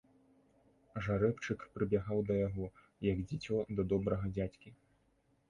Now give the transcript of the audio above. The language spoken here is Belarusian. Жарэбчык прыбягаў да яго, як дзіцё да добрага дзядзькі.